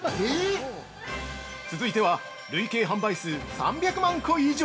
◆続いては、累計販売数３００万個以上！